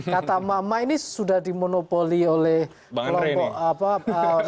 kata emak emak ini sudah dimonopoli oleh kelompok kelompok